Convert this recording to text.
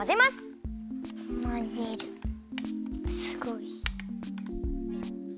すごい。